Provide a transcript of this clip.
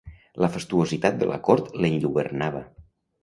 La fastuositat de la cort l'enlluernava.